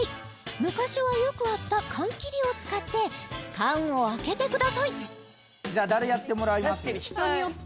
昔はよくあった缶切りを使って缶を開けてくださいじゃ誰やってもらいます？